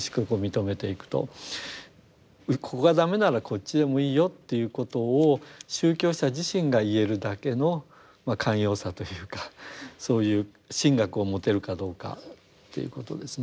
ここが駄目ならこっちでもいいよっていうことを宗教者自身が言えるだけのまあ寛容さというかそういう神学を持てるかどうかということですね。